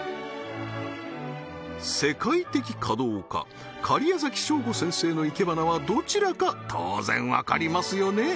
世界的華道家假屋崎省吾先生の生け花はどちらか当然わかりますよね？